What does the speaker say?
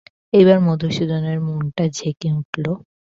এইবার মধুসূদনের মনটা ঝেঁকে উঠল।